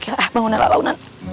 oke lah bangunan bangunan